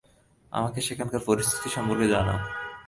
আমাকে সেখানকার পরিস্থিতি সম্পর্কে জানাও।